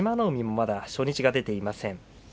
海もまだ初日が出ていません。